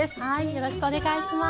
よろしくお願いします。